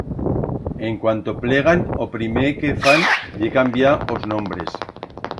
En cuanto plegan o primer que fan ye cambiar os nombres.